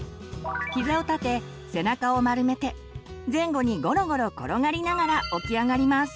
ひざを立て背中を丸めて前後にごろごろ転がりながら起き上がります。